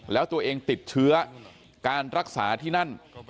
แล้วตัวเองติดเชื้อการรักษาที่นั่น